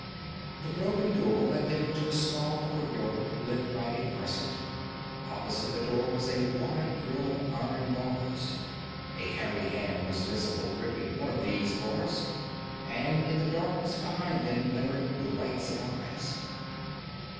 The broken door let them into a small courtyard, lit by a cresset. Opposite the door was a wide grille of iron bars. A hairy hand was visible, gripping one of these bars, and in the darkness behind them glimmered the whites of eyes.